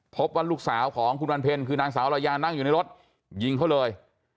พบวนลูกสาวของคุณวันเพลนคือนางสาวอลอยาลูกสาวนั่งอยู่ในรถยิงเขาเลย